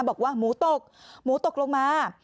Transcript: บอกว่าหมูตกหมูตกลงมา